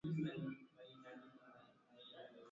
Kaspi Visiwa vikubwa vya Urusi ni Novaya